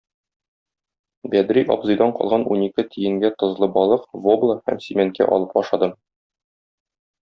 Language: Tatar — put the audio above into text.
Бәдри абзыйдан калган унике тиенгә тозлы балык - вобла һәм симәнкә алып ашадым.